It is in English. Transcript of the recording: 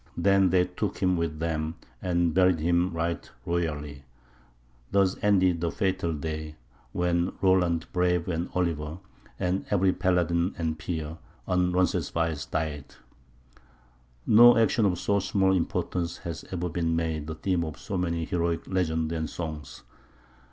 Then they took him with them, and buried him right royally. Thus ended the fatal day When Roland brave and Oliver, And every paladin and peer, On Roncesvalles died. No action of so small importance has ever been made the theme of so many heroic legends and songs.